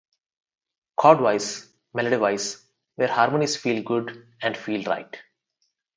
Chord-wise, melody-wise, where harmonies feel good and feel right.